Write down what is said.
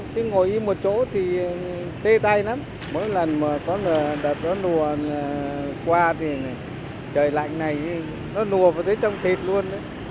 chứ ngồi yên một chỗ thì tê tay lắm mỗi lần mà có đợt nó nùa qua thì trời lạnh này nó nùa vào tới trong thịt luôn